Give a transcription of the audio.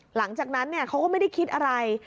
หลังจากนั้นเขาก็ไม่ได้คิดอะไร